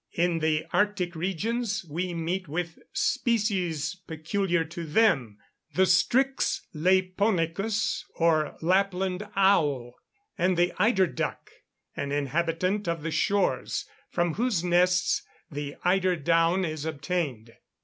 In the arctic regions, we meet with species peculiar to them, the Strix laeponicus or Lapland owl, and the eider duck, an inhabitant of the shores, from whose nests the eider down is obtained.